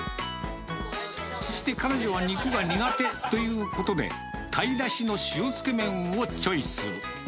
そして彼女は肉が苦手ということで、鯛だしの塩つけ麺をチョイス。